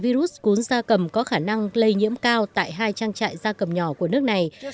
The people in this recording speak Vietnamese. virus cúm da cầm có khả năng lây nhiễm cao tại hai trang trại gia cầm nhỏ của nước này